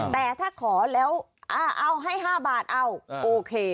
แต่ถ้าขอแล้วเอาให้๕บาทเอาโอเค